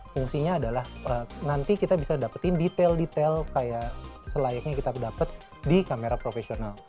fungsinya adalah nanti kita bisa dapetin detail detail kayak selayaknya kita dapat di kamera profesional